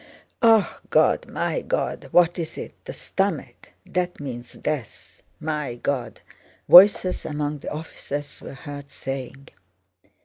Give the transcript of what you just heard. "Ah, God! My God! What is it? The stomach? That means death! My God!"—voices among the officers were heard saying.